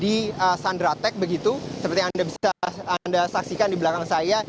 di sandratek begitu seperti yang anda saksikan di belakang saya